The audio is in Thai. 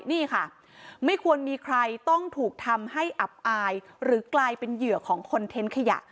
นี่ค่ะไม่ควรมีใครต้องถูกทำให้อับอายหรือกลายเป็นเหยื่อของคอนเทนต์ขยะ